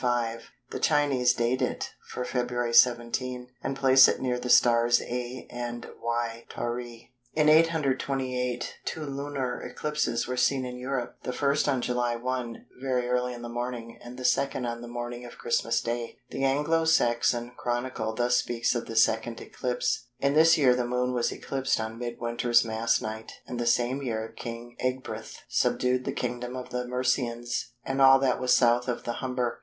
5. The Chinese date it for Feb. 17, and place it near the stars α and γ Tauri. In 828 two lunar eclipses were seen in Europe, the first on July 1 very early in the morning, and the second on the morning of Christmas Day. The Anglo Saxon Chronicle thus speaks of the second eclipse:—"In this year the Moon was eclipsed on Mid winter's Mass night, and the same year King Ecgbryht subdued the kingdom of the Mercians and all that was South of the Humber."